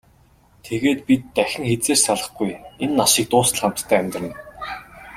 Тэгээд бид дахин хэзээ ч салахгүй, энэ насыг дуустал хамтдаа амьдарна.